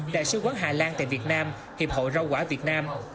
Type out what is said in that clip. đại sứ quán hà lan tại việt nam hiệp hội rau quả việt nam